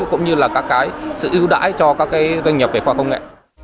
cũng như là các cái sự ưu đãi cho các doanh nghiệp về khoa học công nghệ